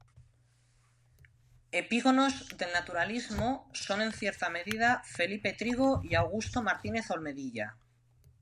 Epígonos del naturalismo son en cierta medida Felipe Trigo y Augusto Martínez Olmedilla.